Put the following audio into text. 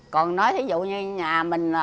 còn nói thí dụ như nhà mình